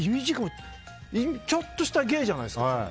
ちょっとした芸じゃないですか。